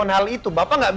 enggak enggak enggak